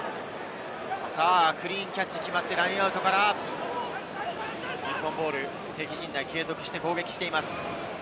クリーンキャッチ決まって、ラインアウトから日本ボール、的陣内継続して攻撃しています。